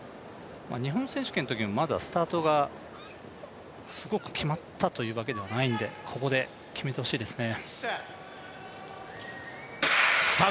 日本選手権のとき、まだスタートがすごく決まったというわけではないのでここで決めてほしいですね。